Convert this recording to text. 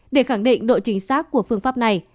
để khẳng định độ chính xác của phương pháp này